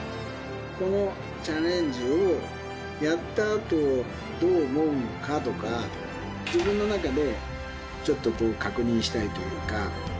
このチャレンジをやったあとどう思うのかとか、自分の中でちょっと確認したいというか。